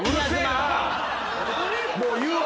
もう言うわ。